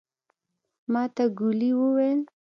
ماته ګولي وويلې.